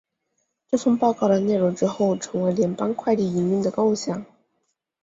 这份报告的内容之后成为了联邦快递营运的构想。